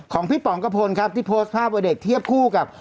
ของพี่ป๋องกระพลครับที่โพสต์ภาพวันเด็กเทียบคู่กับ